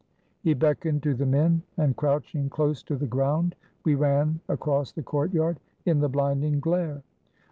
He beckoned to the men, and crouching close to the ground, we ran across the courtyard, in the blinding glare.